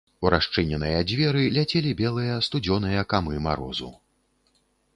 У расчыненыя дзверы ляцелі белыя сцюдзёныя камы марозу.